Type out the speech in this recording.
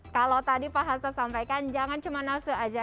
kalau tadi pak hasto sampaikan jangan cuma nasuh saja